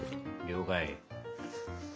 了解。